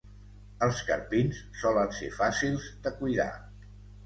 Els carpins solen ser fàcils de cuidar.